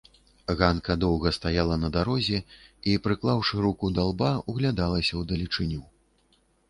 Ганка доўга стаяла на дарозе і, прыклаўшы руку да лба, углядалася ў далечыню.